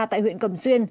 tại huyện cẩm duyên